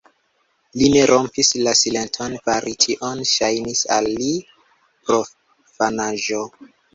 Li ne rompis la silenton; fari tion ŝajnis al li profanaĵo.